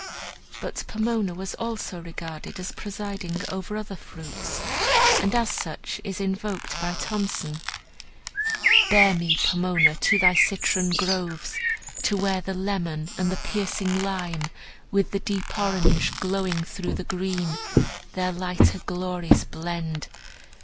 But Pomona was also regarded as presiding over other fruits, and as such is invoked by Thomson: "Bear me, Pomona, to thy citron groves, To where the lemon and the piercing lime, With the deep orange, glowing through the green, Their lighter glories blend.